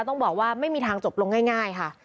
ต้องบอกว่าไม่มีทางจบลงง่ายค่ะ